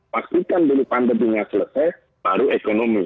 pastikan dulu pandeminya selesai baru ekonomi